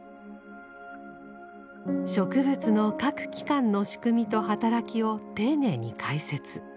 植物の各器官の仕組みと働きを丁寧に解説。